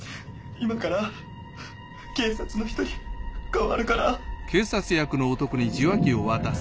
今から警察の人に代わるから。